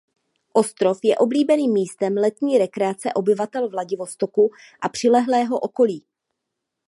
Ostrov je oblíbeným místem letní rekreace obyvatel Vladivostoku a přilehlého okolí.